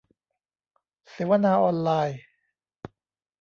เสวนาออนไลน์